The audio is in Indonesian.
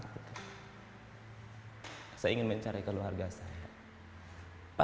saya ingin mencari keluarga saya